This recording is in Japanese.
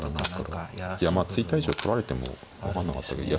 いやまあ突いた以上取られても分かんなかったけど。